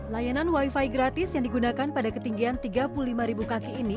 layanan wifi gratis yang digunakan pada ketinggian tiga puluh lima kaki ini